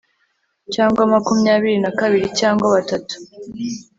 cyangwa makumyabiri na kabiri cyangwa batatu